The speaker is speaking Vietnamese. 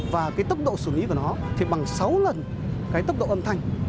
và cái tốc độ xử lý của nó thì bằng sáu lần cái tốc độ âm thanh